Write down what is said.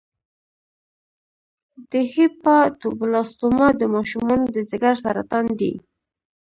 د هیپاټوبلاسټوما د ماشومانو د ځګر سرطان دی.